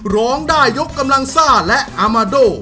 ร้องได้ยกกำลังซ่าและอามาโด